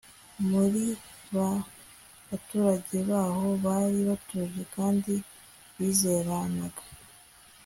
muri ba baturage b'aho bari batuje kandi bizeranaga